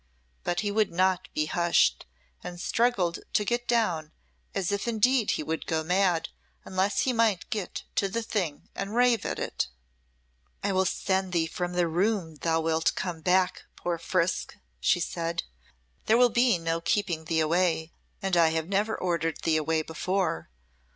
But he would not be hushed, and struggled to get down as if indeed he would go mad unless he might get to the thing and rave at it. "If I send thee from the room thou wilt come back, poor Frisk," she said. "There will be no keeping thee away, and I have never ordered thee away before.